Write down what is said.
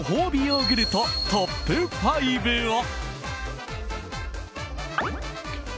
ヨーグルトトップ５を。